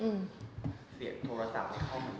เสียงโทรศัพท์เข้ามาเยอะมาก